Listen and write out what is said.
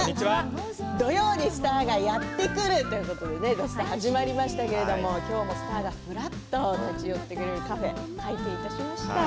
土曜にスターがやってくるということで「土スタ」始まりましたけれども今日もスターがふらっと立ち寄ってくれるカフェ開店いたしました。